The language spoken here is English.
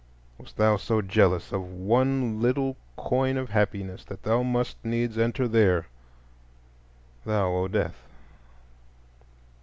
Wast thou so jealous of one little coign of happiness that thou must needs enter there,—thou, O Death?